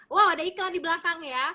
wow ada iklan di belakang ya